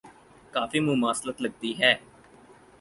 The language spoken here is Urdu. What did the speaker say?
کافی مماثلت لگتی ہے۔